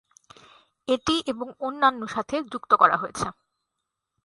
এটি এবং অন্যান্য সাথে যুক্ত করা হয়েছে।